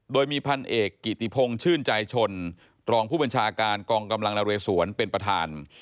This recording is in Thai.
โดยมีพันเอกกิติพงศ์ชื่นใจชนรองผู้บัญชาการกองกำลังนเรสวนเป็นประธาน